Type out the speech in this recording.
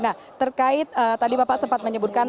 nah terkait tadi bapak sempat menyebutkan